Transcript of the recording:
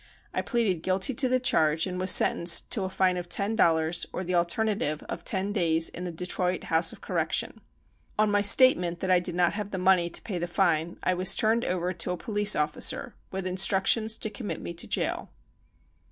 I pleaded guilty to the charge and wus .sentenced to i fine of fen dollars or the al ternative of ten days in the Detroit Houi?e of Cor rection. On my statement that I did not have the money to pay the fine. I was turned over to a po lice officer with instructions to commit me to jail.